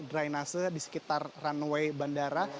drainase di sekitar runway bandara